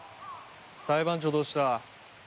裁判長どうした？